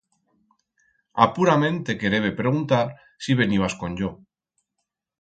Apurament te querebe preguntar si venibas con yo.